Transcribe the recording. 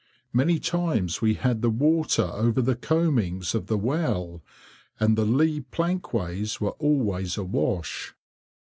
Many times we had the water over the coamings of the well, and the lee plankways were always awash.